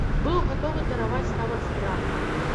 Быў гатовы дараваць нават здраду.